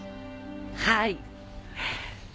はい。